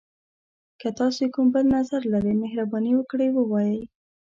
که تاسي کوم بل نظر لری، مهرباني وکړئ ووایئ.